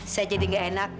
saya jadi nggak enak